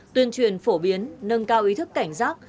tuyên truyền phổ biến nâng cao ý thức cảnh giác